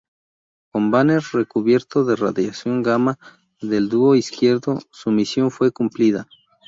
Con Banner recubierto de radiación gamma del dúo izquierdo, su misión fue cumplida.